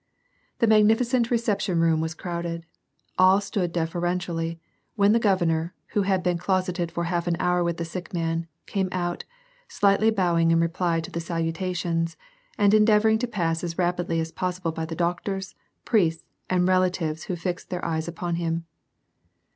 The magnificent reception room was crowded. All stood deferentially, when the governor, who had been closeted for half an hour with the sick man, came out, slightly bowing in reply to the salutations, and endeavoring to pass as rapidly as possible by the doctors, priests, and relatives who fixed their eyes upon him.